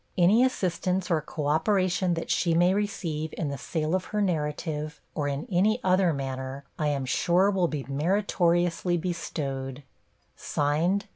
Any assistance or co operation that she may receive in the sale of her Narrative, or in any other manner, I am sure will be meritoriously bestowed.